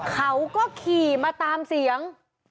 เขาก็ขี่มาตามเสียง